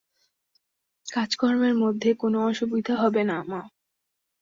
কাজকর্মের কোনো অসুবিধা হবে না, মা।